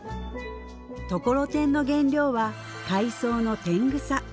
ところてんの原料は海藻の天草